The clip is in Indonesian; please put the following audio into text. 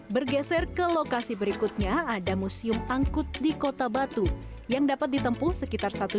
bergeser ke lokasi berikutnya ada museum angkut di kota batu yang dapat ditempuh sekitar